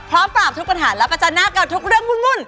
พร้อมตอบทุกปัญหาแล้วก็จำหนักกับทุกเรื่องวุ่น